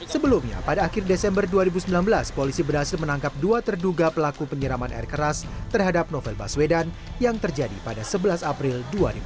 sebelumnya pada akhir desember dua ribu sembilan belas polisi berhasil menangkap dua terduga pelaku penyiraman air keras terhadap novel baswedan yang terjadi pada sebelas april dua ribu sembilan belas